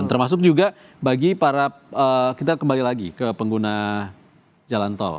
termasuk juga bagi para kita kembali lagi ke pengguna jalan tol